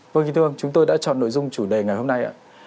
vâng chúng tôi đã chọn nội dung chủ đề ngày hôm nay